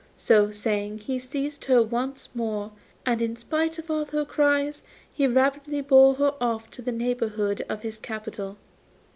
So saying, he seized her once more, and in spite of all her cries he rapidly bore her off to the neighbourhood of his capital.